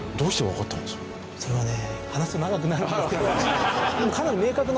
それはね。